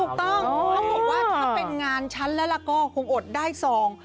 เขาบอกว่าถ้าเป็นงานฉันแล้วก็คงอดได้ซอง